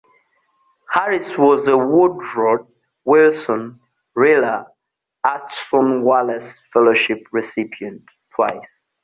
Harris was a Woodrow Wilson Lila Acheson Wallace Fellowship recipient twice.